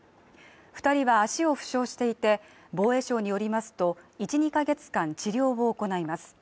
２人は足を負傷していて、防衛省によりますと１２ヶ月間治療を行います。